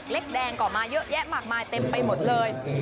แดงก็มาเยอะแยะมากมายเต็มไปหมดเลย